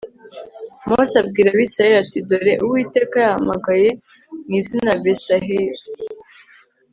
mose abwira abisirayeli ati dore, uwiteka yahamagaye mu izina besaleli